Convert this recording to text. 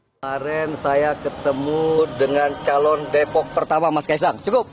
kemarin saya ketemu dengan calon depok pertama mas kaisang cukup